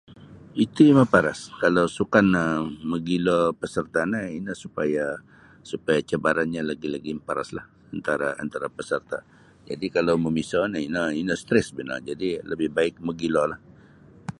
Iti maparas kalau sukan um mogilo peserta no ino supaya supaya cabarannyo lagi-lagi maparaslah antara antara peserta. Jadi kalau mamiso no ino ino stres baino jadi lebih baik mogilolah.